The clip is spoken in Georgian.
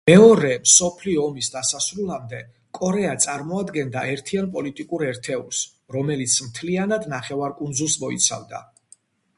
მეორე მსოფლიო ომის დასასრულამდე, კორეა წარმოადგენდა ერთიან პოლიტიკურ ერთეულს, რომელიც მთლიან ნახევარკუნძულს მოიცავდა.